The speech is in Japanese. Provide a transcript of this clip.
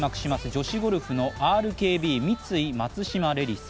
女子ゴルフのＲＫＢ×三井松島レディス。